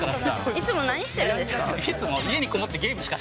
いつも何してるんですか？